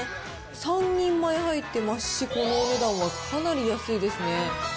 ３人前入ってますし、このお値段はかなり安いですね。